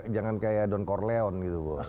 jangan kayak don corleone gitu bos